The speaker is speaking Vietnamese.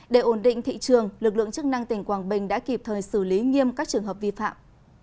để ổn định thị trường lực lượng chức năng tỉnh quảng bình đã kịp thời xử lý nghiêm các trường hợp vi phạm